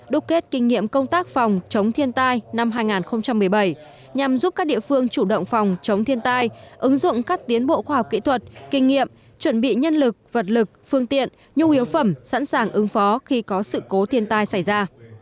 đúc kết kinh nghiệm công tác phòng chống thiên tai năm hai nghìn một mươi bảy nhằm giúp các địa phương chủ động phòng chống thiên tai ứng dụng các tiến bộ khoa học kỹ thuật kinh nghiệm chuẩn bị nhân lực vật lực phương tiện nhu yếu phẩm sẵn sàng ứng phó khi có sự cố thiên tai xảy ra